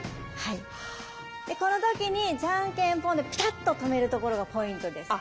この時にじゃんけんぽんでピタッと止めるところがポイントです。